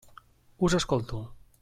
Us escolto.